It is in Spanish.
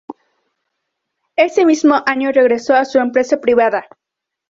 Ese mismo año regresó a su empresa privada.